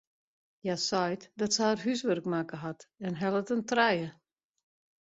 Hja seit dat se har húswurk makke hat en hellet in trije.